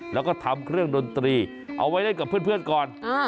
แล้วก็ทำเครื่องดนตรีเอาไว้เล่นกับเพื่อนก่อน